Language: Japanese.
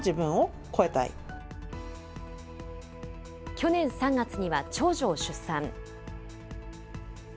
去年３月には長女を出産。